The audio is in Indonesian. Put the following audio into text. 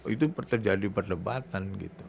itu terjadi perdebatan